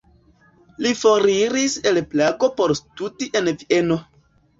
Li foriris el Prago por studi en Vieno.